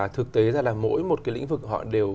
thực tế ra là mỗi một cái lĩnh vực họ đều